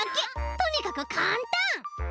とにかくかんたん！